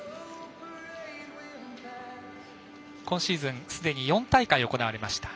今シーズンすでに４大会行われました。